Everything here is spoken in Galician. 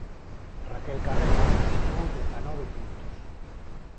Raquel Carrera asinou dezanove puntos.